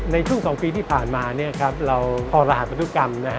ในช่วง๒ปีที่ผ่านมาเราพอรหัสพันธุกรรม